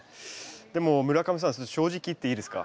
でも村上さん正直言っていいですか？